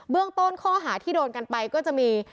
ต้นข้อหาที่โดนกันไปก็จะมี